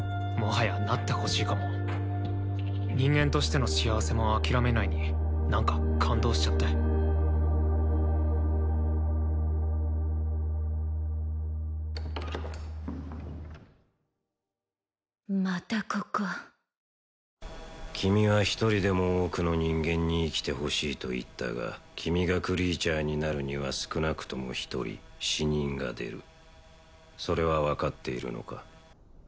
もはやなってほしいかも人間としての幸せも諦めないに何か感動しちゃってまたここ君は１人でも多くの人間に生きてほしいと言ったが君がクリーチャーになるには少なくとも１人死人が出るそれは分かっているのか？